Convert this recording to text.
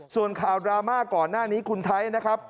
ส่วนข่าวดราม่าก่อนหน้านี้คุณไทยนะครับ